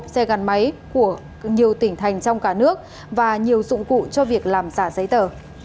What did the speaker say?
xe gắn máy của nhiều tỉnh thành trong cả nước và nhiều dụng cụ cho việc làm giả giấy tờ